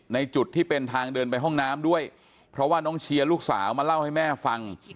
จุดที่เป็นทางเดินไปห้องน้ำด้วยเพราะว่าน้องเชียร์ลูกสาวมาเล่าให้แม่ฟัง